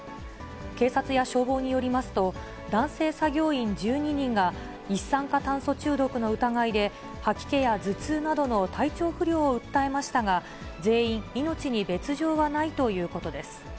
警察や消防によりますと、男性作業員１２人が、一酸化炭素中毒の疑いで、吐き気や頭痛などの体調不良を訴えましたが、全員、命に別状はないということです。